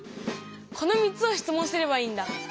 この３つを質問すればいいんだ！